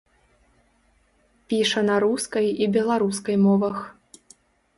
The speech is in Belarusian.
Піша на рускай і беларускай мовах.